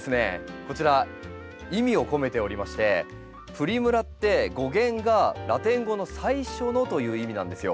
こちら意味を込めておりましてプリムラって語源がラテン語の「最初の」という意味なんですよ。